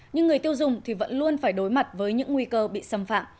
nhưng người tiêu dùng thì vẫn luôn phải đối mặt với những nguy cơ bị xâm phạm